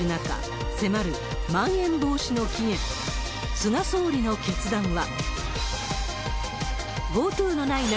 菅総理の決断は。